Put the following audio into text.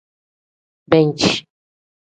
Banci.